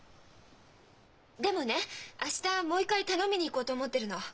でもね明日もう一回頼みに行こうと思ってるの。